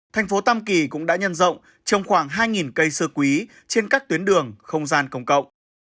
thành phố tam kỳ cũng đã nhân rộng trồng khoảng hai cây xưa quý trên các tuyến đường không gian công cộng